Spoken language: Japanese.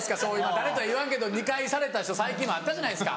誰とは言わんけど２回された人最近もあったじゃないですか。